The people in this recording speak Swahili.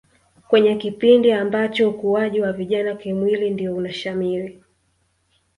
Kwenye kipindi ambacho ukuwaji wa vijana kimwili ndio unashamiri